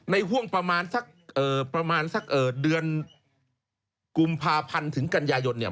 ในห่วงประมาณสักเดือนกุมภาพันธ์ถึงกันยายดเนี่ย